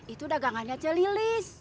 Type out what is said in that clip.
itu dagangannya celilis